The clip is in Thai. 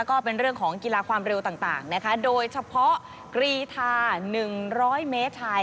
ก็เป็นเรื่องของกีฬาความเร็วต่างนะคะโดยเฉพาะกรียร์ธาหนึ่งร้อยเมตรทส์ทาย